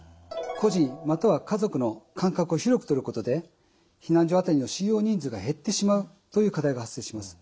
個人または家族の間隔を広くとることで避難所当たりの収容人数が減ってしまうという課題が発生します。